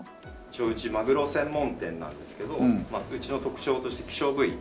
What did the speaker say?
一応うちまぐろ専門店なんですけどうちの特徴として希少部位。